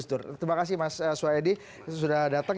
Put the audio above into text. terima kasih mas soedi sudah datang